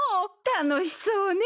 楽しそうね。